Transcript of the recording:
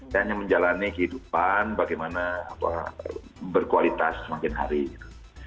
saya hanya menjalani kehidupan bagaimana berkualitas semakin hari gitu